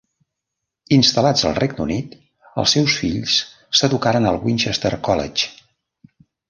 Instal·lats al Regne Unit els seus fills s'educaren al Winchester College.